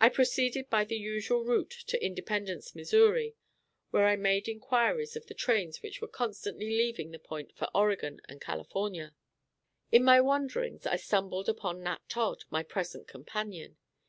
I proceeded by the usual route to Independence, Missouri, where I made inquiries of the trains which were constantly leaving the point for Oregon and California. In my wanderings, I stumbled upon Nat Todd, my present companion.